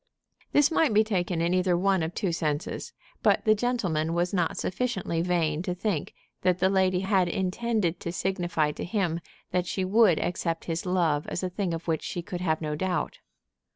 This might be taken in either one of two senses; but the gentleman was not sufficiently vain to think that the lady had intended to signify to him that she would accept his love as a thing of which she could have no doubt.